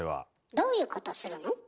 どういうことするの？